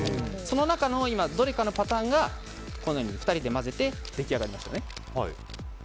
その中の今どれかのパターンがこのように２人で混ぜて出来上がりましたね。